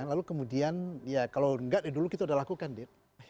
lalu kemudian ya kalau nggak ya dulu kita udah lakukan did